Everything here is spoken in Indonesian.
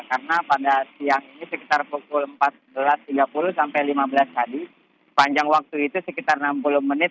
karena pada siang ini sekitar pukul empat belas tiga puluh sampai lima belas tadi panjang waktu itu sekitar enam puluh menit